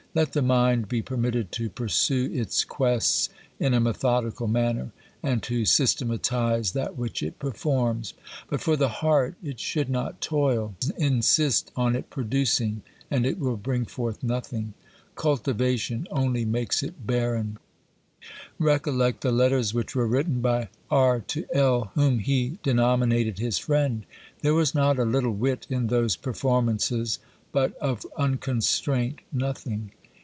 Let the mind be permitted to pursue its quests in a methodical manner, and to systematise that which it performs ; but for the heart, it should not toil : insist on it producing, and it will bring forth nothing ; cultivation only makes it barren. 1 6 OBERMANN Recollect the letters which were written by R. to L., whom he denominated his friend. There was not a little wit in those performances, but of unconstraint nothing.